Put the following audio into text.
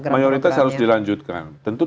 mayoritas harus dilanjutkan tentu